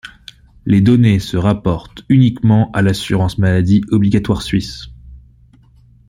Les données se rapportent uniquement à l'assurance maladie obligatoire Suisse.